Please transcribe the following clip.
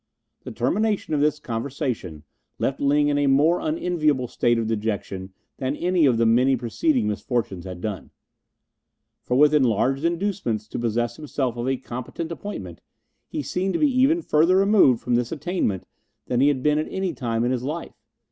The termination of this conversation left Ling in a more unenviable state of dejection than any of the many preceding misfortunes had done, for with enlarged inducements to possess himself of a competent appointment he seemed to be even further removed from this attainment than he had been at any time in his life.